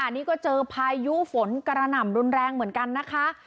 นี่ก็เจอพายุฝนกระหน่ำรุนแรงเหมือนกันนะคะ